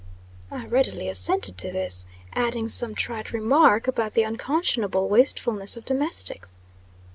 I readily assented to this, adding some trite remark about the unconscionable wastefulness of domestics.